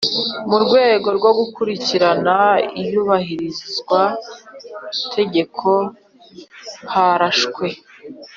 Mu rwego rwo gukurikirana iyubahirizwa tegeko harashwe